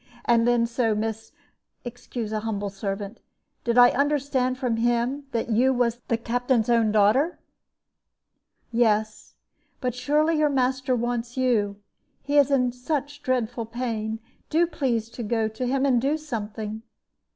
And so, then, miss excuse a humble servant did I understand from him that you was the Captain's own daughter?" "Yes; but surely your master wants you he is in such dreadful pain. Do please to go to him, and do something."